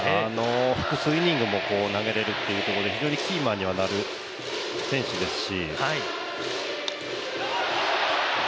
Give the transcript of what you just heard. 複数イニングも投げられるというところで、非常にキーマンにはなる選手ですし。